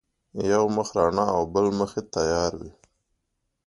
یو مخ رڼا او بل مخ یې تیار وي.